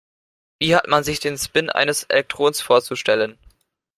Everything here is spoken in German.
Wie hat man sich den Spin eines Elektrons vorzustellen?